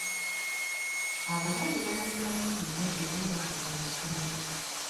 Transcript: Abazadde baabadde banyiivu nnyo eri abaddukanya essommero.